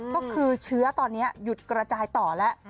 ก็คือเชื้อตอนนี้หยุดกระจายต่อแล้ว